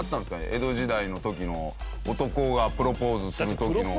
江戸時代の時の男がプロポーズする時の。